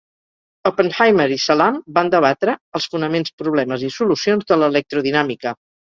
Oppenheimer i Salam van debatre els fonaments, problemes i solucions de l'electrodinàmica.